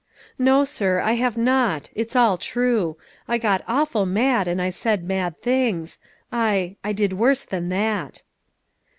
"No, sir, I have not; it's all true. I got awful mad, and I said mad things. I I did worse than that."